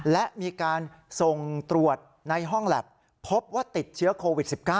และมีการส่งตรวจในห้องแล็บพบว่าติดเชื้อโควิด๑๙